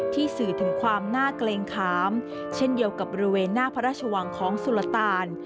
สื่อถึงความน่าเกรงขามเช่นเดียวกับบริเวณหน้าพระราชวังของสุรตาล